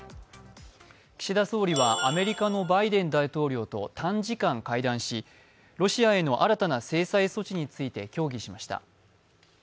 岸田総理はアメリカのバイデン大統領と短時間会談しロシアへの新たな制裁措置について協議しました。